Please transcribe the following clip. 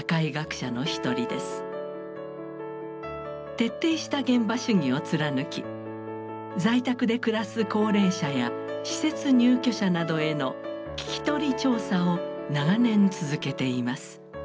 徹底した現場主義を貫き在宅で暮らす高齢者や施設入居者などへの聞き取り調査を長年続けています。